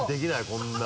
こんなの。